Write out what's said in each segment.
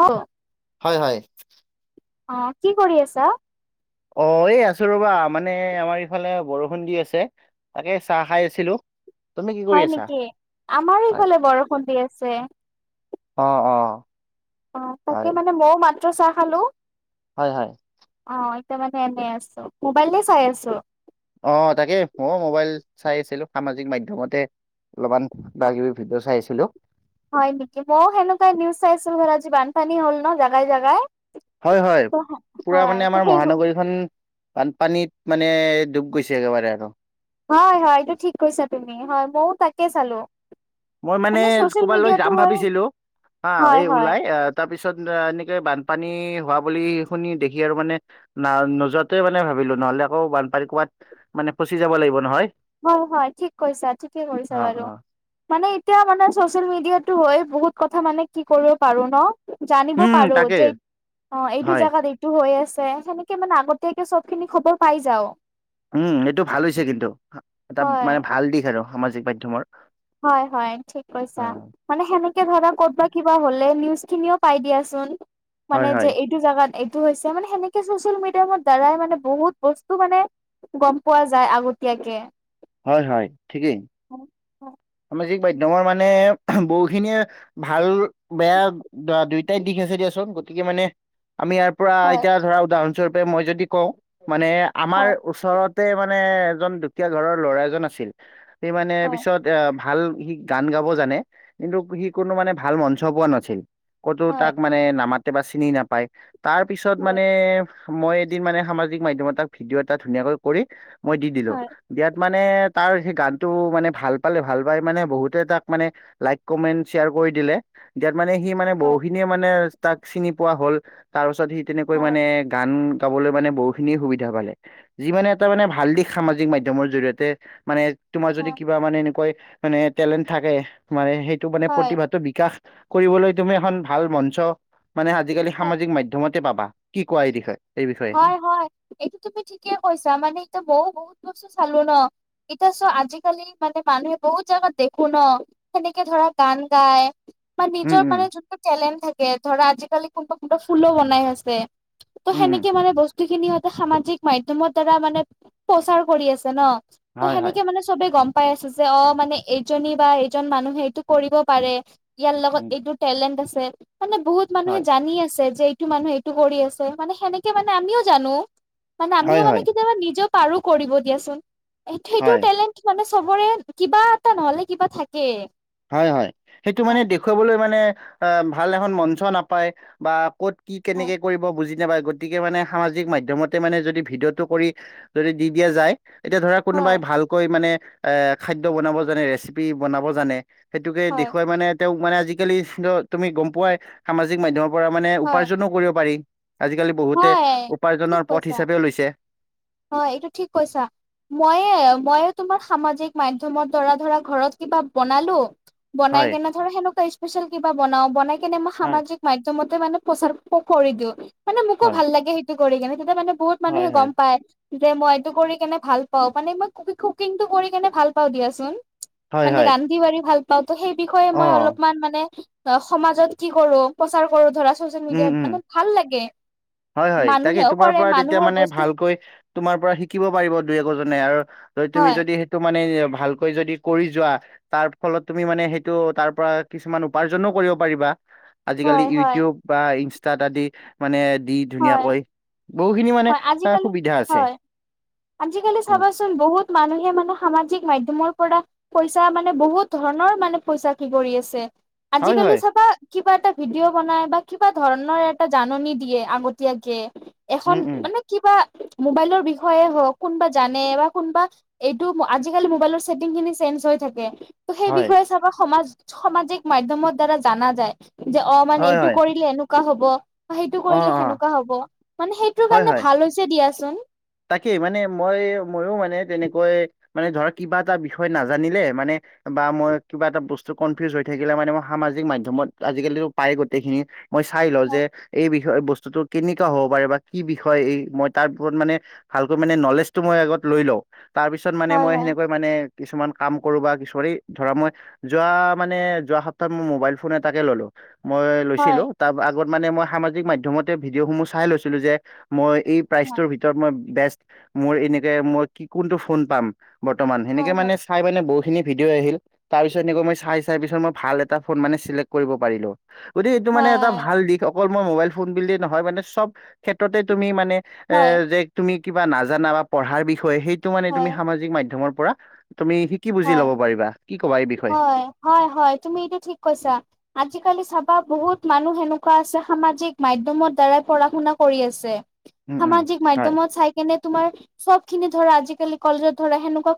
অ টো হয় হয়। অ কি কৰি আছা? অ এই আছো ৰবা মানে আমাৰ ইফালে বৰষুণ দি আছে তাকে চাহ খাই আছিলো। তুমি কি কৰি হয় আছা? নেকি আমাৰ হয় ইফালে বৰষুণ দি আছে। অ অ। অ হয় তাকে মানে মইয়ো মাত্ৰ চাহ খালো। হয় হয়। অ এতিয়া মানে এনেই আছো মোবাইলে চাই আছো অ তাকে ময়ো মোবাইল চাই আছিলো সামাজিক মাধ্যমতে অলপমান কিবা কিবি ভিডিঅ' চাই আছিলো হয় নেকি মইও কেনেকুৱাই নিউজ চাইছিলো ধৰ আজি বানপানী হল ন জাগাই জাগাই হয় হয় পুৰা হয় মানে ত আমাৰ সেইবোৰ মহানগৰীখন বানপানীত মানে ডুব গৈছে একেবাৰে আৰু হয় হয় এইটো ঠিক কৈছা তুমি হয় মইয়ো তাকে চালো মই মানে চচিয়েল ক'ব লৈ মিডিয়াটো যাম হয় ভাবিছিলো হা হয় এই হয় ওলাই আহ তাৰ পিছত এনেকে বানপানী হোৱা বুলি শুনি দেখি আৰু মানে না নোযোৱা তোৱে মানে ভাবিলো নহলে আকৌ বানপানী ক'বাত মানে ফচি যাব লাগিব নহয় হয় হয় ঠিক কৈছা ঠিকে অ কৰিছা বাৰু অ মানে এতিয়া মানে চচিয়েল মিডিয়াতো হৈ বহুত কথা মানে কি কৰিব পাৰো ন জানিব উম পাৰো তাকে যে অ এইটো হয় জাগাত এই টো হৈ আছে সেনেকে মানে আগতীয়াকে চব খিনি খবৰ পাই যাও। উম এইটো ভাল হৈছে কিন্তু এটা হয় মানে ভাল দিশ আৰু সামাজিক মাধ্যমৰ। হয় হয় ঠিক অ কৈছা। মানে সেনেকে ধৰা ক'ত বা কিবা হলে নিউজ খিনিও পাই দিয়াচোন হয় মানে যে হয় এইটো জাগাত এইটো হৈছে মানে সেনেকে চচিয়েল মিডিয়ামৰ দ্বাৰাই মানে বহুত বস্তু মানে গম পোৱা যায় আগতীয়াকে। হয় হয় ঠিকেই। সামাজিক মাধ্যমৰ মানে বহুখিনিয়ে ভাল বেয়া দুইটাই দিশ আছে দিয়াচোন গতিকে মানে আমি ইয়াৰ পৰা হয় এতিয়া ধৰা উদাহৰণস্বৰূপে মই যদি কওঁ মানে আমাৰ হয় ওচৰতে মা মানে এজন দুখীয়া ঘৰৰ ল'ৰা এজন আছিল সি মানে হয় পিছত এ ভাল সি গান গাব জানে কিন্তু সি কোনো মানে ভাল মঞ্চ পোৱা নাছিল। ক'তো হয় তাক মানে নামাতে বা চিনি নাপায় তাৰ পিছত হয় মানে মই এদিন মানে সামাজিক মাধ্যমত এটা ভিডিঅ' এটা ধুনীয়াকৈ কৰি মই দি দিলো হয় ইয়াত মানে তাৰ সেই গানটো মানে ভাল পালে ভাল পাই মানে বহুতে তাক মানে লাইক কমেন্ট শ্বেয়াৰ কৰি দিলে ইয়াত মানে সি মানে হয় বহুখিনিয়ে মানে তাক চিনি পোৱা হল তাৰ পাছত সি তেনেকৈ হয় মানে গান গাবলৈ মানে বহুখিনি সুবিধা পালে যি মানে এটা মানে ভাল দিশ সামাজিক মাধ্যমৰ জৰিয়তে মানে তোমাৰ যদি কিবা মানে এনেকৈ মানে টেলেণ্ট থাকে মানে সেইটো মানে হয় হয় প্ৰতিভাটো বিকাশ কৰিবলৈ তুমি এখন ভাল মঞ্চ মানে আজিকালি হয় সামাজিক মাধ্যয়মতে পাবা কি কোৱা এই বিষয়ে এই বিষয়ে? হয় হয় এইটো তুমি ঠিকে কৈছা মানে এতিয়া মইও বহুত বস্তু চালো ন। এতিয়া চোৱা আজিকালি মানে মানুহে বহুত জাগাত দেখো ন সেনেকে ধৰা গান গায় বা উম নিজৰ উম মানে যোনটো টেলেণ্ট থাকে ধৰা আজিকালি কোনোবা কোনোবা ফুলো বনাই আছে ত' উম সেনে উম মানে বস্তু খিনি সিহঁতে সামাজিক মাধ্যমৰ দ্বাৰা মানে প্ৰচাৰ কৰি আছে ন। ত' হয় হয় সেনেকে মানে চবে গম পাই আছে যে, অ মানে এইজনী বা এজন মানুহে এইটো কৰিব পাৰে ইয়াৰ লগত উম এইটো টেলেণ্ট আছে মানে বহুত মানুহে হয় জানি আছে যে মানুহ এইটো কৰি আছে মানে সেনেকে মানে আমিও জানো মানে হয় আমিও হয় মানে কেতিয়াবা নিজক পাৰো কৰিব দিয়া চোন, সেইটো হয়, টেলেণ্ট মানে চবৰে কিবা এটা নহলে কিবা থাকে। হয় হয়, সেইটো মানে দেখুৱাবলৈ মানে আ ভাল এখন মঞ্চ নাপায় বা ক'ত কি হয় কেনেকে কৰিব বুজি নাপাই গতিকে মানে সামাজিক মাধ্যমতে মানে যদি ভিডিঅটো কৰি যদি দি দিয়া যায়। এতিয়া ধৰা কোনোবাই হয় ভালকৈ মানে এ খাদ্য বনাব জানে ৰেচিপি বনাব জানে সেইটোকে হয় দেখুৱাই মানে তেওঁক মানে আজিকালি তুমি গম পোৱাই সামাজিক মাধ্যমৰ পৰা মানে হয় উপাৰ্জনো কৰিব পাৰি আজিকালি বহুতে হয় ঠিক উপাৰ্জনৰ পথ কৈছা। হিচাপেও লৈছে। হয় এইটো ঠিক কৈছা। মইয়ে মইয়ে তোমাৰ সামাজিক মাধ্যমৰ দ্বাৰা ধৰা ঘৰত কিবা বনালো বনাই হয়। কেনে ধৰ সেনেকুৱা স্পেচিয়েল কিবা বনাও বনাই কেনে মই হয়, সামাজিক মাধ্যমতে মানে প্ৰচাৰ কৰি দিও, মানে মোকো হয়, ভাল লাগে সেইটো কৰি কিনে তেতিয়া মানে বহুত হয়, মানুহে হয়, গম পায় যে মই এইতটো কৰি কেনে ভাল পাও মানে মই কুকিংটো কৰি কেনে ভাল পাওঁ দিয়াচোন হয়, মানে হয়, ৰান্ধি বাঢ়ি ভাল পাওঁ ত সেই বিষয়ে মই অ' অলপমান মানে অ সমাজত কি কৰো প্ৰচাৰ কৰো ধৰা ছচিয়েল উম, মিডিয়াত উম। মানে ভাল লাগে হয় হয় তাকে মানুহেও তোমাৰ কৰে পৰা তেতিয়া মানুহৰ মানে বস্তু ভালকৈ তোমাৰ পৰা শিকিব পাৰিব দুই একোজনে আৰু তুমি হয় যদি তটো মানে ভালকৈ যদি কৰি যোৱা তাৰ ফলত তুমি মানে সেইটো তাৰ পৰা কিছুমান উপাৰ্জনো কৰিব পাৰিবা আজিকালি হয় হয় ইউটিউব বা ইনষ্টাতাত আদি মানে দি হয়। ধুনীয়াকৈ বহুখিনি মানে হয় অ আজিকালি সুবিধা আছে হয় আজিকালি উম, চাবাচোন বহুত মানুহে মানে সামাজিক মাধ্যমৰ পৰা পইচা মানে বহুত ধৰণৰ মানে পইচা কি কৰি আছে হয় আজিকালি হয় চাবা কিবা এটা ভিডিঅ' বনাই বা কিবা ধৰণৰ এটা জাননী দিয়ে আগতীয়াকে এখন উম উম মানে কিবা মোবাইলৰ বিষয়ে হওক কোনোবা জানে বা কোনোবা এইটো আজিকালি মোবাইলৰ ছেটিং খিনি চেঞ্জ হৈ থাকে ত সেই হয় বিষয়ে চাবা সমাজ সামাজিক মাধ্যমৰ দ্বাৰা জানা যায় যে অ মানে হয় এইটো হয় কৰিলে এনেকুৱা হব বা সেইটো অ অ কৰিলে সেনেকুৱা হ'ব মানে সেইটো হয় হয় লৈছে দিয়াচোন তাকেই মানে মই ময়ো মানে তেনেকৈ মানে ধৰ কিবা এটা বিষয় নাজানিলে মানে বা মই কিবা এটা বস্তু কনফিউজ হৈ থাকিলে মানে মই সামাজিক মাধ্যমত আজিকালিতো পায় গোটেইখিনি মই চাই লওঁ যে এই বিষয় বস্তুতটো কেনেকুৱা হ'ব পাৰে বা কি বিষয় এই মই তাৰ ওপৰত মানে ভালকৈ মানে নলেজটো মই আগত লৈ লওঁ তাৰ পিছত মানে হয় মই হয়। সেনেকৈ মানে কিছুমান কাম কৰো বা কিছুৰে ধৰা মই যোৱা মানে যোৱা সপ্তাহত মোৰ মোবাইল ফোন এটাকে ললো মই হয়, লৈছিলো তাৰ আগত মানে মই সামাজিক মাধ্যমতে ভিডিঅ' সমূহ চাই লৈছিলো যে মই এই হয়, প্ৰাইচটোৰ ভিতৰত মই বেষ্ট মোৰ এনেকে মই কি কোনটো ফোন পাম বৰ্তমান হয়, সেনেকে হয়, মানে চাই মানে বহুতখিনি ভিডিঅ' আহিল তাৰ পিছ এনেক মই চাই চাই পিছত মই ভাল এটা ফোন মানে চিলেক্ট কৰিব পাৰিলো গতিকে এইটো মানে এটা হয়, ভাল দিশ অকল মই মোবাইল ফোন বুলিয়ে নহয় মানে চব ক্ষেত্ৰতে তুমি মানে এ হয়, যে তুমি কিবা নাজানা বা পঢ়াৰ বিষয়ে সেইটো মানে তুমি হয়, সামাজিক মাধ্যমৰ পৰা তুমি সিকি বুজি লব পাৰিবা কি ক'বা এই বিষয়ে হয় হয় হয় তুমিতিয়া ঠিক কছা আজিকালি চাবা বহুত মানুহ সেনেকুৱা আছে সামাজিক মাধ্যমৰ দ্বাৰাই পঢ়া শুনা কৰি আছে উম উম সামাজিক হয় মাধ্যমত চাই কেনে তোমাৰ চব খিনি ধৰা আজিকালি কলেজত ধৰা সেনেকুৱা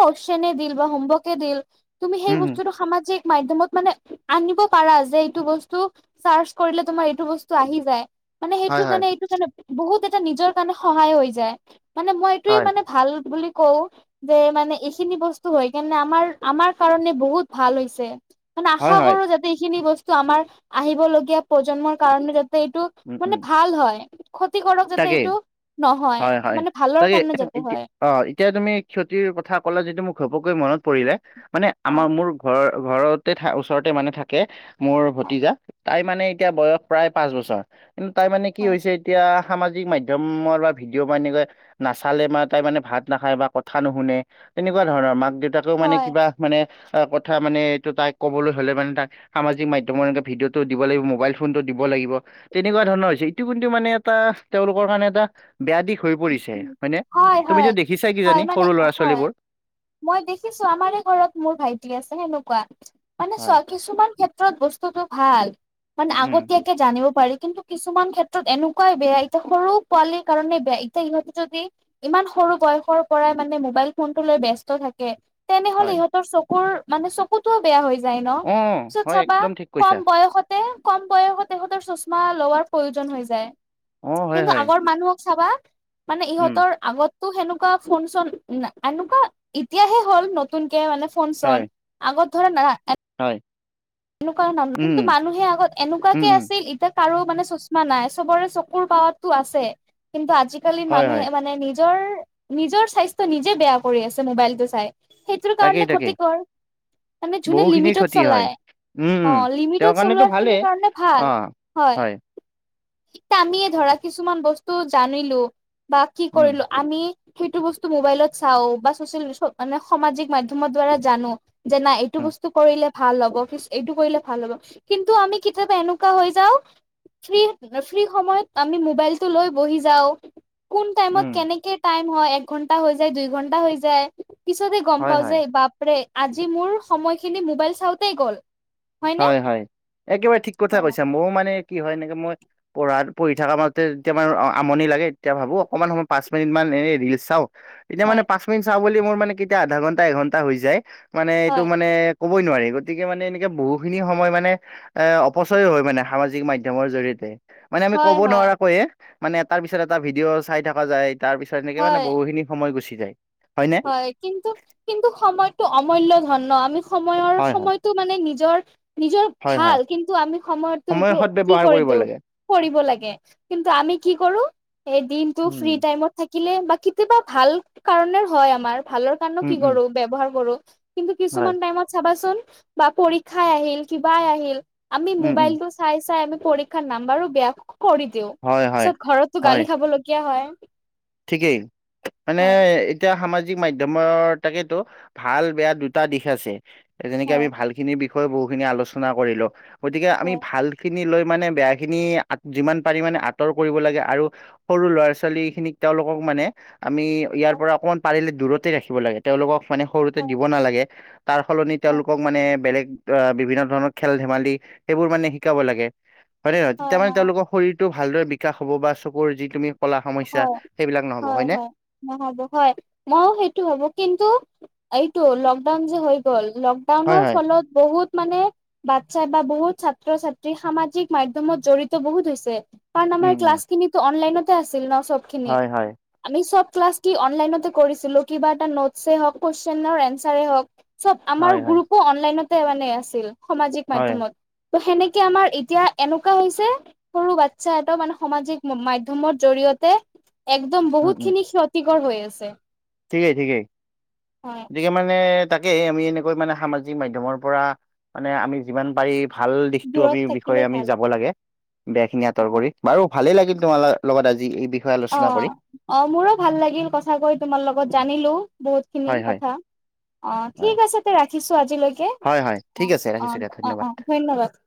কইছনে দিল বা হোমৱৰ্কে দিল তুমি সেই উম উম বস্তুটো সামাজিক মাধ্যমত মানে আনিব পাৰা যে এইটো বস্তু চাৰ্চ কৰিলে তোমাৰ এইটো বস্তু আহি যায় মানে সেইটো হয় হয় কাৰণে এইটো কাৰণে বহুত এটা নিজৰ কাৰণে সহায় হৈ যায় মানে মইটোয়ে হয় মানে ভাল বুলি কও যে মানে এইখিনি বস্তু হয়কাৰণে আমাৰ আমাৰ কাৰণে বহুত ভাল হৈছে মানে হয় আশা হয় কৰো যা ইখিনি বস্তু আমাৰ আহিবলগীয়া প্ৰজন্মৰ কাৰণে যাতে এইটো উম মানে উম ভাল হয় ক্ষতি কৰক যাতে তাকেই এইটো নহয় হয় হয় মানে ভালৰ তাকে কাৰণে যাতে এতিয়া হয় অ এতিয়া তুমি ক্ষতিৰ কথা কললে যিটো মোক ঘপকৈ মনত পৰিলে মানে অ আমাৰ মোৰ ঘৰ ঘৰতে থ ওচৰতে মানে থাকে মোৰ ভতিজা তাই মানে এতিয়া বয়স প্ৰায় পাঁচ বছৰ কিন্তু তাই মানে কি হয় হৈছে এতিয়া সামাজিক মাধ্যমত একদমৰ [unintelligible] বা ভিডিঅ' বনেকৈ নাচালে বা তাই মানে ভাত নাখায় বা কথা নুশুনে তেনেকুৱা ধৰণৰ মাক দেউতাকেও মানে হয় কিবা মানে অ কথা মানে এইটো তাই ক'বলৈ হলে মানে তাক সামাজিক মাধ্যমত এনেকে ভিডিঅ'টো দিব লাগিব মোবাইল ফোনতটো দিব লাগিব। তেনেকুৱা ধৰণৰ হৈছে ইটো কিন্তু মানে এটা তেওঁলোকৰ কাৰণে এটা বেয়া দিশ হৈ পৰিছে হয়নে হয় হয় তুমি য হয় দেখিছা হয় কিজানি মানে সৰু ল'ৰা হয় ছোৱালীবোৰ। মই দেখিছো আমাৰে ঘৰত মোৰ ভাইটি আছে সেনেকুৱা মানে হয় কিছুমান ক্ষেত্ৰত বস্তুতটো ভাল মানে উম আগতীয়াকে জানিব পাৰি কিন্তু কিছুমান ক্ষেত্ৰত এনেকুৱাই বেয়া, এতিয়া সৰু পোৱালীৰ কাৰণে বেয়া। সিহঁতি, যদি ইমান সৰু বয়সৰ পৰাই মানে মোবাইল ফোনটো লৈ বস্ত থাকে। তেনেহ'লে হয় ইহতৰ চকুৰ মানে চব। কতোও বেয়া হৈ যায় ন। অ পিত হয় চাবা একদম ঠিক কৈছা কম বয়সত তে কম বয়সতে তেহঁতৰ চশমা লোৱাৰ প্ৰয়োজন হৈ যায়। অ হয় কিন্তু হয় আগৰ মানুহক চাবা মানে উম ইহঁতৰ আগত ত সেনেকুৱা ফোন চন এনেকুৱা এতিয়াহে হ'ল নতুনকে মানে ফোন হয় চন আগত ধৰা নাৰা হয়। এনেকুৱা মানুহ উম কিন্তু মানুহে আগত উম এনেকুৱাকে উম আছিল এতিয়া কাৰো মানে চশমা নাই, চবৰে চকুৰ পাৱাতো আছে। কিন্তু আজিকালি হয় হয় মানুহে মানে নিজৰ নিজৰ স্বাস্থ্য নিজে বেয়া কৰি আছে মোবাইল টো চাই। সেইটোৰ তাকেই কাৰণে তাকেই ক্ষতি কৰ, মানে যোনে বহুখিনি লিমিটত ক্ষতি হয় চলাই। উম উম অৱ তেওঁৰ লিমিটত কাৰণেতো চলোৱা খিনিৰ ভালেই কাৰণে ভাল অ হয়। ইতা আমি এ ধৰা কিছুমান বস্তু জানিলো বা কি উম কৰিলো। আমি সেইটো বস্তু মোবাইলত চাওঁ বা চচিয়েল মানে সামাজিক মাধ্যমৰ দ্বাৰা জানো। যে নাই এইটো উম বস্তু কৰিলে ভাল হ'ব কি এইটো কৰিলে ভাল হ'ব, কিন্তু আমি কেতিয়াবা এনেকুৱা হৈ যাও ফ্ৰী ফ্ৰী সময়ত আমি মোবাইলটো লৈ বহি যাওঁ। কোন টাইমত উম কেনেকে টাইম হয়, এক ঘন্টা হৈ যায়, দুই ঘন্টা হৈ যায়। পিছতে গম হয় পাও হয় যে বাপৰে আজি মোৰ সময়খিনি মোবাইল চাওঁতেই গ'ল। হয়নে হয় হয় একেবাৰে ঠিক কথা অ কৈছা মই মানে কি হয় এনেকে মই পঢ়াত পঢ়ি থকা মাজতে যেতিয়া মান আমনি লাগে তেতিয়া ভাবো অকমান সময় পাঁচ মিনিট মান এনেই ৰিলচ চাওঁ। এতিয়া মানে হয় পাঁচ মিনিট চাওঁ বুলি মোৰ মানে কেতিয়া আধা ঘন্টা এঘন্টা হৈ যায় মানে এইটো হয় মানে ক'বই নোৱাৰি গতিকে মানে এনেকে বহুত বহুখিনি সময় মানে এ অপচয়ো হয় মানে সামাজিক মাধ্যমৰ জৰিয়তে। মানে আমি হয় ক'ব হয় নোৱাৰাকৈয়ে মানে এ তাৰ পিছত এটা ভিডিঅ' চাই থকা যায় তাৰ পিছত তেনেকে মানে হয় বহুখিনি সময় গুচি যায়। হয় নে? কিন্তু কিন্তু সময়টো অমূল্য ধন ন আমি সময়ৰ হয় হয় সময়তটো মানে নিজৰ নিজৰ হয় হয় ভাল কিন্তু আমি সময়তো সময়ৰ এইটো সদ কি ব্যৱহাৰ কৰিব কৰিলো। লাগে কৰিব লাগে কিন্তু আমি কি কৰো এই দিনটো ফ্ৰী উম টাইমত থাকিলে বা কেতিয়াবা ভাল কাৰণে হয় আমাৰ ভালৰ কাৰণেও উম কি উম কৰো ব্যৱহাৰ কৰো। কিন্তু হয় কিছুমান টাইমত চাবাচোন বা পৰীক্ষাই আহিল কিবাই আহিল আমি উম উম মোবাইলটো চাই চাই আমি পৰীক্ষাত নাম্বাৰো বেয়া কৰি দিওঁ হয়, হয়, পাছত ঘৰতটো হয়, গালি খাবলগীয়া হয়। ঠিকেই, মানেএ হয় এতিয়া সামাজিক মাধ্যমৰ তাকেতো ভাল বেয়া দুটা দিশ আছে, যেনেকে হয় আমি ভাল খিনি বিষয়ে বহু খিনি আলোচনা কৰিলো, গতিকে আমি হয় ভাল খিনি লৈ মানে বেয়া খিনি যিমান পাৰি মানে আঁতৰ কৰিব লাগে, আৰু সৰু ল'ৰা ছোৱালী খিনিক তেওঁলোকক মানে আমি ইয়াৰ পৰা অকমান পাৰিলে দূৰতে ৰাখিব লাগে তেওঁলোকক মানে সৰুতে হয় দিব নালাগে তাৰ সলনি হয় তেওঁলোকক মানে বেলেগ অ বিভিন্ন ধৰণৰ খেল ধেমালি সেইবোৰ মানে শিকাব লাগে। হয় নে নহয়? তেতিয়া মানে তেওঁলোকক শৰীৰটো ভালদৰে বিকাশ হ'ব বা চকুৰ যি তুমি কলা সমস্যা হয় সেইবিলাক নহ'ব হয় হয়নে? হয় নহ'ব হয়, মইও সেইটো ভাবো কিন্তু এইটো লকডাউন যে হৈ গ'ল হয় লকডাউনৰ হয় ফলত বহুত মানে বাচ্ছাই বা বহুত ছাত্ৰ-ছাত্ৰী সামাজিক মাধ্যমত জড়িত বহুত হৈছে। কাৰণ আমাৰ উম উম ক্লাছ খিনিতো অনলাইনতে আছিল ন সবখিনি। হয় হয় আমি সব ক্লাছ কি অনলাইনতে কৰিছিলোঁ কিবা এটা নোটছে হওক কুৱেশনৰ এনচাৰে হওক সব হয় আমাৰ হয় গ্ৰুপো অনলাইনতে মানে আছিল সামাজিক হয় মাধ্যমত। ত' সেনেকে আমাৰ এতিয়া এনেকুৱা হৈছে সৰু বাচ্ছা এটা মানে সামাজিক মাধ মাধ্যমৰ জৰিয়তে একদম উম বহুত উম খিনি ক্ষতিকৰ হৈ আছে। ঠিকেই ঠিকেই। হয় [inaudible] মানে তাকে আমি এনেকৈ মানে সামাজিক মাধ্যমৰ পৰা মানে আমি যিমান পাৰি ভাল দিশটো আমি দূৰত থাকিলে বিষয়ে আমি ভাল যাব লাগে বেয়াখিনি আঁতৰ কৰি। অ বাৰু ভালেই লাগিল তোমাৰ লগত আজি এই বি অ অ মোৰো ভাল লাগিল কথা কৈ তোমাৰ লগত জানিলোঁ। বহুত খিনি হয় হয় কথা, অ হয় ঠিক আছে তে ৰাখিছোঁ আজিলৈ। কে হয় হয় ঠিক অ আছে অ ৰাখিছো দিয়া অ ধন্যবাদ অ ধন্যবাদ।